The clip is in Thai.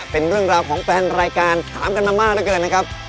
เป็นเรื่องราวของแฟนรายการถามกันมามากเหลือเกินนะครับ